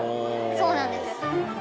そうなんですよ。